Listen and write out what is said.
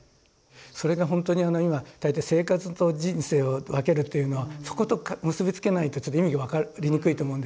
それがほんとに今大体生活と人生を分けるというのはそこと結び付けないとちょっと意味が分かりにくいと思うんですね。